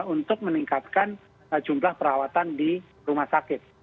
untuk meningkatkan jumlah perawatan di rumah sakit